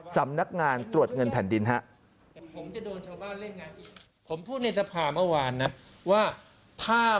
สำนักงานตรวจเงินแผ่นดินครับ